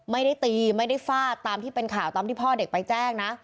ไม่ได้ตีไม่ได้ฟาดตามที่เป็นข่าวตามที่พ่อเด็กไปแจ้งนะ